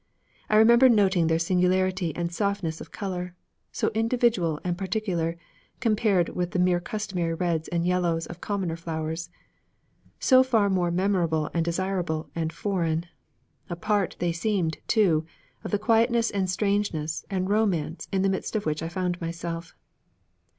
I remember noting their singularity and softness of color, so individual and particular compared with the more customary reds and yellows of commoner flowers, so far more memorable and desirable and foreign; a part they seemed, too, of the quietness and strangeness and romance in the midst of which I found myself.